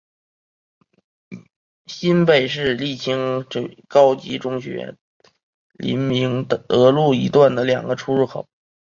新北市立清水高级中学毗邻明德路一段的两个出入口。